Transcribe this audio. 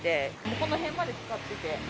この辺までつかってて。